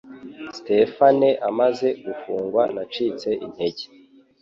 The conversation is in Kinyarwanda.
Stéphane amaze gufungwa nacitse intege